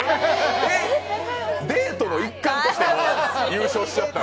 えっ、デートの一環として優勝しちゃったんだ？